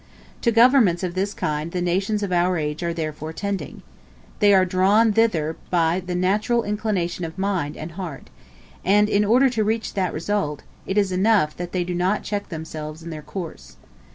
To governments of this kind the nations of our age are therefore tending. They are drawn thither by the natural inclination of mind and heart; and in order to reach that result, it is enough that they do not check themselves in their course.